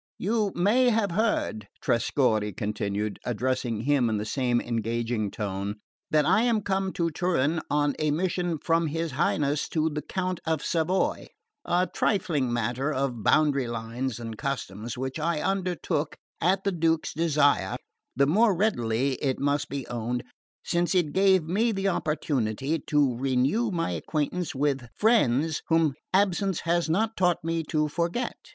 "You may have heard," Trescorre continued, addressing him in the same engaging tone, "that I am come to Turin on a mission from his Highness to the court of Savoy: a trifling matter of boundary lines and customs, which I undertook at the Duke's desire, the more readily, it must be owned, since it gave me the opportunity to renew my acquaintance with friends whom absence has not taught me to forget."